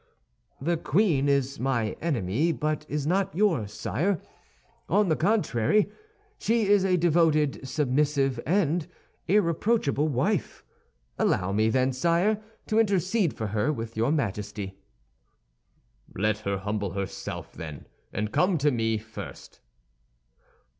"The queen is my enemy, but is not yours, sire; on the contrary, she is a devoted, submissive, and irreproachable wife. Allow me, then, sire, to intercede for her with your Majesty." "Let her humble herself, then, and come to me first."